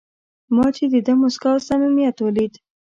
ما چې د ده موسکا او صمیمیت ولید.